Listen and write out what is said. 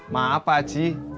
maaf pak ji